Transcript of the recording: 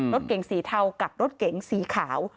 รถเก๋งสีเทากับรถเก๋งสีขาว